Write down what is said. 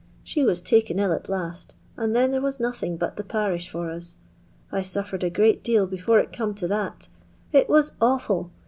She was taken ill at last, and then there was nothing but the pariah for us. I suffered a great deal before it come to that It waa awful.